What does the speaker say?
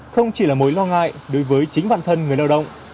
không chỉ là mối lo ngại đối với chính bản thân người lao động